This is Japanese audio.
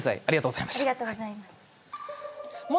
ありがとうございます。